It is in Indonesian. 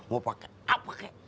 mau pake apa kek